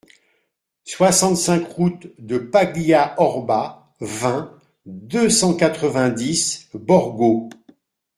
soixante-cinq route de Paglia Orba, vingt, deux cent quatre-vingt-dix, Borgo